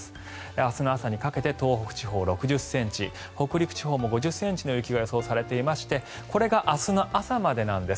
明日の朝にかけて東北地方は６０ｃｍ北陸地方も５０ｃｍの雪が予想されていましてこれが明日の朝までなんです。